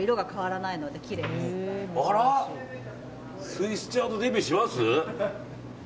スイスチャードデビューします？